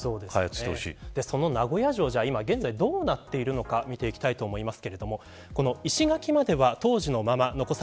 その名古屋城が現在どうなってるのか見ていきたいと思います。